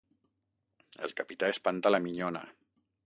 El capità espanta la minyona.